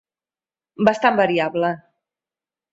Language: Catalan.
Bastant variable.